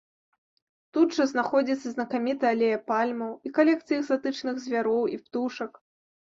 Тут жа знаходзіцца і знакамітая алея пальмаў, і калекцыя экзатычных звяроў і птушак.